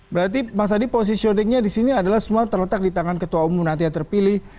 berarti mas adi positioningnya di sini adalah semua terletak di tangan ketua umum nanti yang terpilih